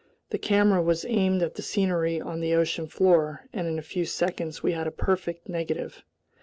The camera was aimed at the scenery on the ocean floor, and in a few seconds we had a perfect negative.